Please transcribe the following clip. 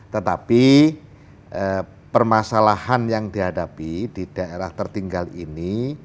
tetapi permasalahan yang dihadapi di daerah tertinggal ini